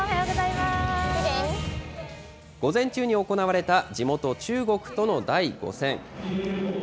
午前中に行われた地元、中国との第５戦。